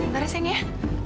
baru saja ya